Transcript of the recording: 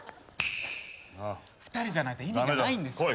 ２人じゃないと意味がないんです。